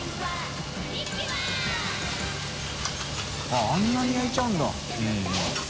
◆舛あんなに焼いちゃうんだ。